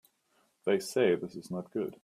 They say this is not good.